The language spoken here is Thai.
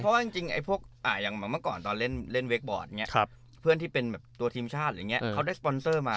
เพราะว่าอย่างเมื่อก่อนตอนเล่นเว็กบอร์ดเพื่อนที่เป็นตัวทีมชาติเขาได้สปอนเซอร์มา